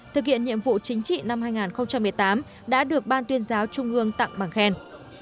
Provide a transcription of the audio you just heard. thực hiện nhiệm vụ chính trị năm hai nghìn một mươi tám đã được ban tuyên giáo trung ương tặng bằng khen